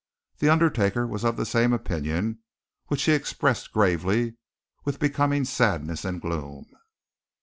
The undertaker was of the same opinion, which he expressed gravely, with becoming sadness and gloom.